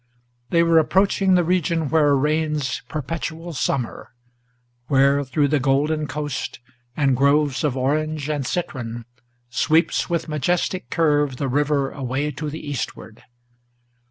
They were approaching the region where reigns perpetual summer, Where through the Golden Coast, and groves of orange and citron, Sweeps with majestic curve the river away to the eastward.